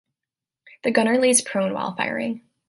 The gunner lays prone while firing.